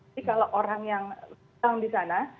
jadi kalau orang yang datang di sana